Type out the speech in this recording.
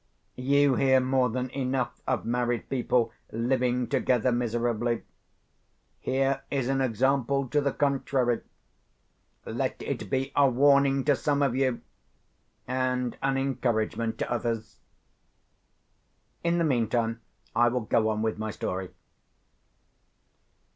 You hear more than enough of married people living together miserably. Here is an example to the contrary. Let it be a warning to some of you, and an encouragement to others. In the meantime, I will go on with my story.